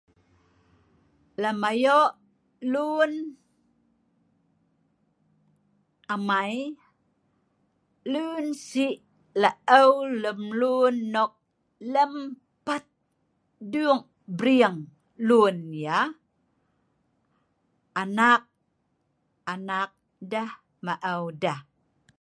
lem ayok lun amai lun sik laeu lem lun nok lem pat dung bring lun yeh anak anak deh maeu deh